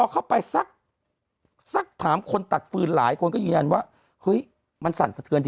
เข้าไปสักถามคนตัดฟืนหลายคนก็ยืนยันว่าเฮ้ยมันสั่นสะเทือน